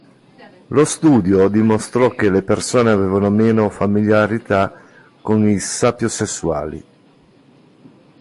Lo studio dimostrò che le persone avevano meno familiarità con i sapiosessuali.